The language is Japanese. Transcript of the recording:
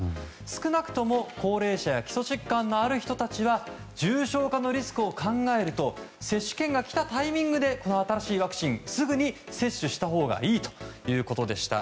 少なくとも高齢者や基礎疾患のある人たちは重症化リスクを考えると接種券が来たタイミングで新しいワクチンを接種したほうがいいということでした。